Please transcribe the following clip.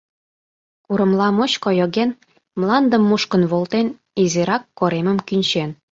Курымла мучко йоген, мландым мушкын волтен, изирак коремым кӱнчен.